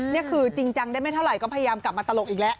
นี่คือจริงจังได้ไม่เท่าไหร่ก็พยายามกลับมาตลกอีกแล้ว